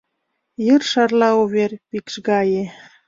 Йыр шарла увер, пикш гае: